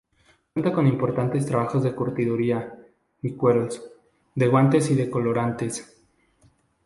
Cuenta con importantes trabajos de curtiduría y cuero, de guantes y de colorantes.